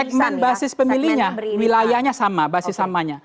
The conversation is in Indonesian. segmen basis pemilihnya wilayahnya sama basis samanya